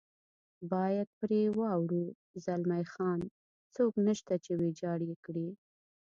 باید پرې واوړو، زلمی خان: څوک نشته چې ویجاړ یې کړي.